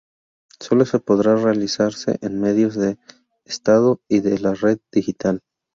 Solo se podrá realizarse en medios del Estado y en la red digital.